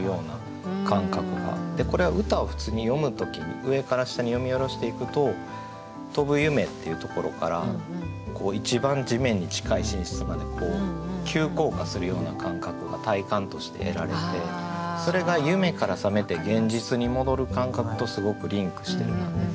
これは歌を普通に読む時に上から下に読み下ろしていくと「飛ぶ夢」っていうところから「一番地面に近い寝室」まで急降下するような感覚が体感として得られてそれが夢から覚めて現実に戻る感覚とすごくリンクしてるなと。